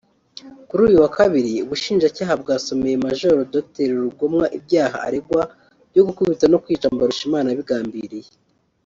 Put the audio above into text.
Kuri uyu wa kabiri Ubushinjacyaha bwasomeye Maj Dr Rugomwa ibyaha aregwa byo gukubita no kwica Mbarushimana abigambiriye